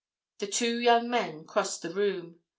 The two young men crossed the room.